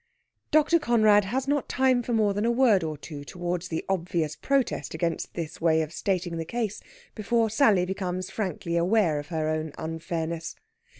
Dr. Conrad has not time for more than a word or two towards the obvious protest against this way of stating the case, before Sally becomes frankly aware of her own unfairness.